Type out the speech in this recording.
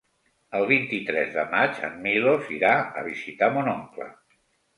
El vint-i-tres de maig en Milos irà a visitar mon oncle.